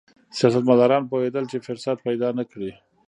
سیاستمداران پوهېدل چې فرصت پیدا نه کړي.